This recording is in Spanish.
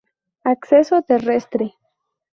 Acceso.- Terrestre.